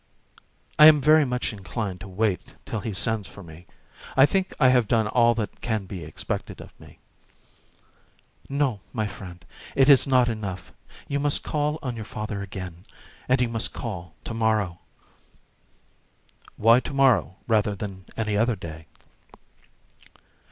"I am very much inclined to wait till he sends for me. I think I have done all that can be expected of me." "No, my friend, it is not enough; you must call on your father again, and you must call to morrow." "Why to morrow rather than any other day?"